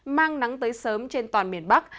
mang nắng tới sớm trên toàn miền bắc